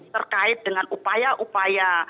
terkait dengan upaya upaya